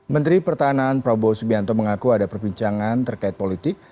menteri pertahanan prabowo subianto mengaku ada perbincangan terkait politik